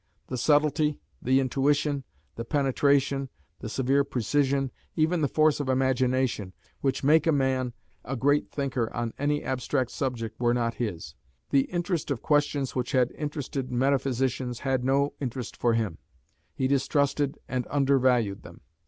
The subtlety, the intuition, the penetration, the severe precision, even the force of imagination, which make a man a great thinker on any abstract subject were not his; the interest of questions which had interested metaphysicians had no interest for him: he distrusted and undervalued them.